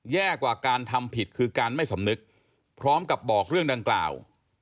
แย่กว่าการทำผิดคือการไม่สำนึกพร้อมกับบอกเรื่องดังกล่าว